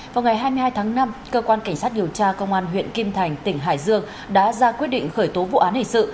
vào ngày hai mươi hai tháng năm cơ quan cảnh sát điều tra công an huyện kim thành tỉnh hải dương đã ra quyết định khởi tố vụ án hình sự